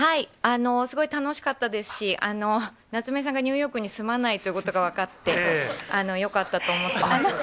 すごい楽しかったですし、夏目さんがニューヨークに住まないということが分かってよかったそうでしたね。